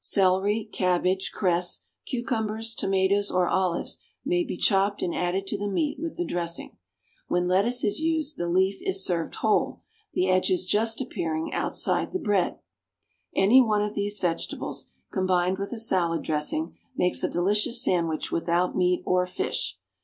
Celery, cabbage, cress, cucumbers, tomatoes or olives may be chopped and added to the meat with the dressing. When lettuce is used, the leaf is served whole, the edges just appearing outside the bread. Any one of these vegetables, combined with a salad dressing, makes a delicious sandwich without meat or fish.